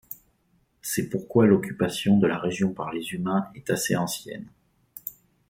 C'est pourquoi l'occupation de la région par les humains est assez ancienne.